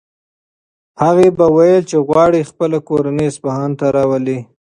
هغه به ویل چې غواړي خپله کورنۍ اصفهان ته راولي.